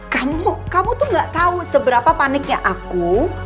kamu kamu tuh gak tahu seberapa paniknya aku